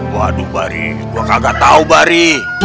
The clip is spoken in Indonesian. waduh bari gua kagak tau bari